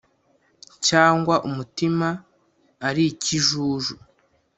Cyangwa umutima ari ikijuju.